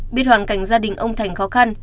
biết hoàn cảnh gia đình ông thành khó khăn